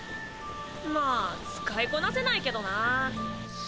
まぁ使いこなせないけどな！